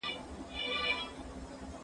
افغانان ځانپالي نه وو.